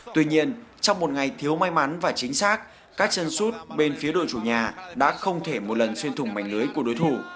tuy nhiên trong một ngày thiếu may mắn và chính xác các chân sút bên phía đội chủ nhà đã không thể một lần xuyên thủng mảnh lưới của đối thủ